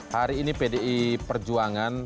hari ini pdi perjuangan